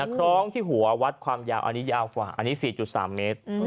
คล้องที่หัววัดความยาวอันนี้ยาวกว่าอันนี้๔๓เมตร